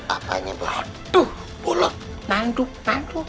apaan nyampe hatuh bolot nanduk nanduk